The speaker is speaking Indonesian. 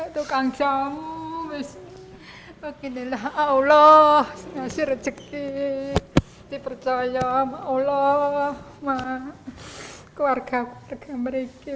tukang jamu beginilah allah masih rezeki dipercaya allah mah keluarga keluarga mereka